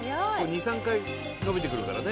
２３回伸びてくるからね